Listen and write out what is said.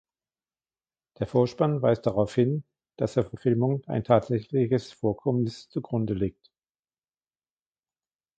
Der Vorspann weist darauf hin, dass der Verfilmung ein tatsächliches Vorkommnis zugrunde liegt.